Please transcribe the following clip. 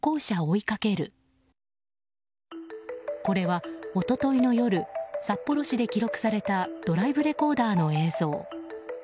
これは一昨日の夜札幌市で記録されたドライブレコーダーの映像。